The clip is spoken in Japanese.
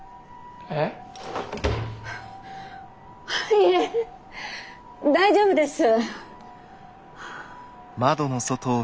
いえ大丈夫です。